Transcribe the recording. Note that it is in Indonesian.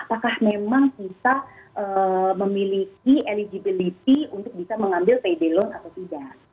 apakah memang kita memiliki eligibility untuk bisa mengambil payday loan atau tidak